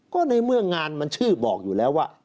ก็ในเมื่องานมันชื่อบอกอยู่แล้วว่า